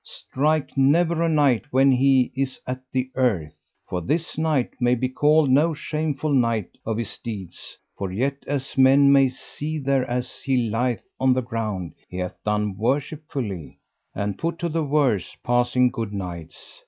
strike never a knight when he is at the earth, for this knight may be called no shameful knight of his deeds, for yet as men may see thereas he lieth on the ground he hath done worshipfully, and put to the worse passing good knights.